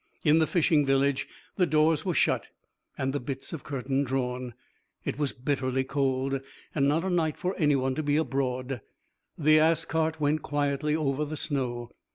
In the fishing village the doors were shut and the bits of curtains drawn. It was bitterly cold, and not a night for any one to be abroad. The ass cart went quietly over the snow.